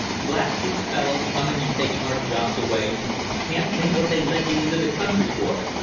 Blast you fellows, coming and taking our jobs away! Can't think what they let you into the country for."